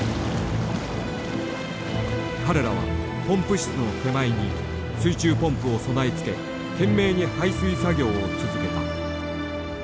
彼らはポンプ室の手前に水中ポンプを備え付け懸命に排水作業を続けた。